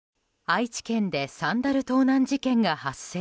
愛知県でサンダル盗難事件が発生。